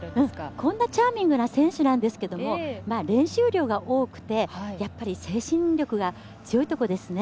こんなチャーミングな選手なんですけれども練習量が多くてやっぱり精神力が強いところですね。